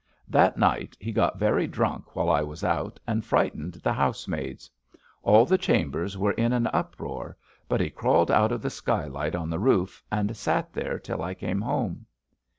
That night he got very drunk while I was out, and frightened the housemaids. All the chambers were in an uproar, but he crawled out of the skylight on the roof, and sat there till I came home.